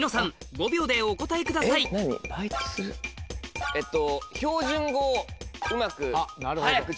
５秒でお答えくださいえっと。